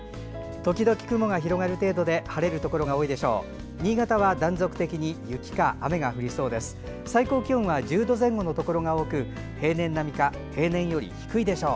時々雲が広がる程度で晴れるところが多いでしょう。